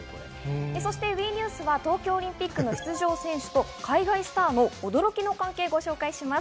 ＷＥニュースは東京オリンピックの出場選手と海外スターの驚きの関係をご紹介します。